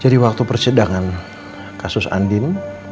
jadi waktu persedangan kasus andin